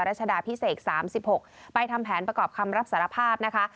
รัชดาพิเศษ๓๖ไปทำแผนประกอบคำรับสารภาพนะคะ